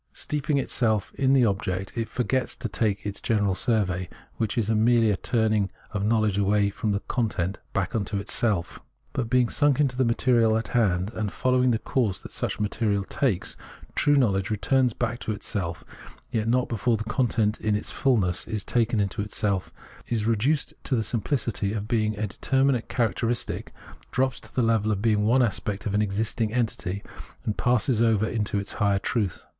Steeping itself in its object, it forgets to take that general survey, which is merely a turning of knowledge away from the content back into itself. But being sunk into the material in hand, and following the course that such material takes, true knowledge retm ns back into itself, yet not be fore the content in its fullness is taken into itself, is reduced to the simplicity of being a determinate char acteristic, drops to the level of being one aspect of an existing entity, and passes over into its higher truth.